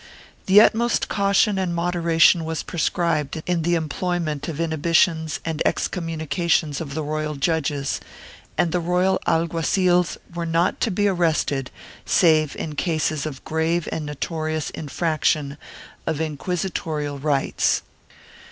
The utmost caution and moderation was prescribed in the employ ment of inhibitions and excommunications of the royal judges, and the royal alguazils were not to be arrested save in cases of grave and notorious infraction of inquisitorial rights.